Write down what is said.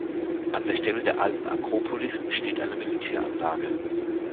An der Stelle der alten Akropolis steht eine Militäranlage.